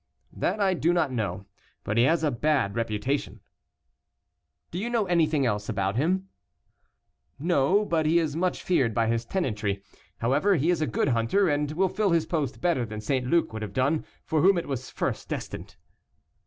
"That I do not know; but he has a bad reputation," "Do you know anything else about him?" "No; but he is much feared by his tenantry. However, he is a good hunter, and will fill his post better than St. Luc would have done, for whom it was first destined."